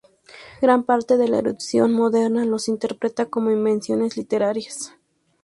Gran parte de la erudición moderna los interpreta como invenciones literarias.